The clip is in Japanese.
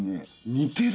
似てる？